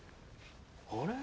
あれ？